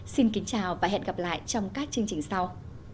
xin kính chào và hẹn gặp lại trong các chương trình sau